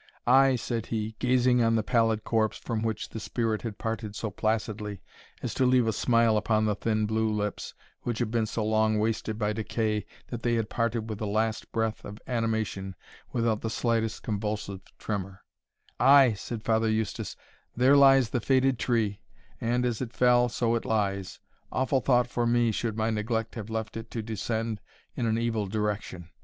"Ay," said he, gazing on the pallid corpse, from which the spirit had parted so placidly as to leave a smile upon the thin blue lips, which had been so long wasted by decay that they had parted with the last breath of animation without the slightest convulsive tremor "Ay," said Father Eustace, "there lies the faded tree, and, as it fell, so it lies awful thought for me, should my neglect have left it to descend in an evil direction!"